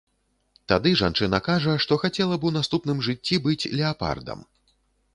Тады жанчына кажа, што хацела б у наступным жыцці быць леапардам.